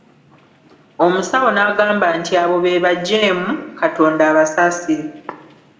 Omusawo n'agamba nti Abo be bajeemu, Katonda abasaasire.